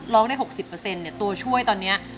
ร้องได้๖๐ตัวช่วยตอนนี้